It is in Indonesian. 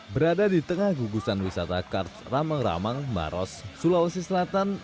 berada di tengah gugusan wisata kars ramang ramang maros sulawesi selatan